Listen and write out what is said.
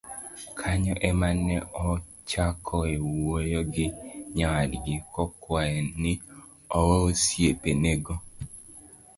Kanyo ema ne ochakoe wuoyo gi nyawadgi, kokwaye ni owe osiepenego.